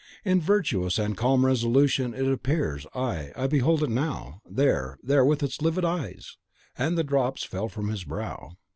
In virtuous and calm resolution it appears, ay, I behold it now; there, there, with its livid eyes!" and the drops fell from his brow.